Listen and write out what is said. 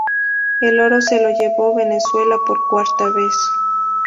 El oro se lo llevó Venezuela por cuarta vez.